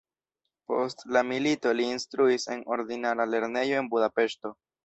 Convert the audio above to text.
Post la milito li instruis en ordinara lernejo en Budapeŝto.